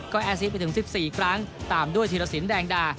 ก็แอร์ซิสไปถึง๑๔ครั้งตามด้วยธีรสินแดงดา